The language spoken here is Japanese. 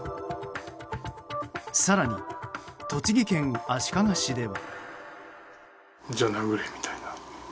更に、栃木県足利市では。